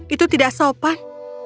itu tidak sopan